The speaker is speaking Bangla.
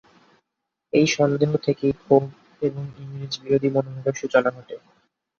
এই সন্দেহ থেকেই ক্ষোভ এবং ইংরেজ বিরোধী মনোভাবের সূচনা ঘটে।